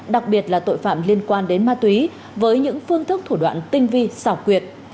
đặc biệt là tội phạm liên quan đến ma túy với những phương thức thủ đoạn tinh vi xảo quyệt